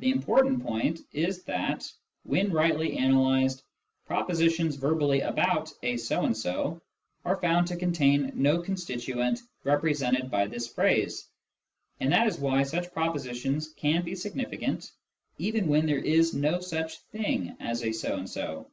The important point is that, when rightly analysed, propositions verbally about " a so and so " are found to contain no constituent represented by this phrase. And that is why such propositions can be significant even when there is no such thing as a so and so.